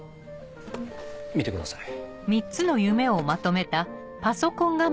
見てください。